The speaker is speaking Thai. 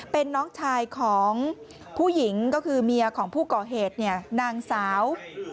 เป็นน้องชายของผู้หญิงก็คือเมียของผู้ก่อเหตุเนี่ยนางสาว